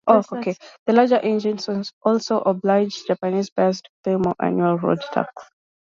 The larger engines also obliged Japanese buyers to pay more annual road tax.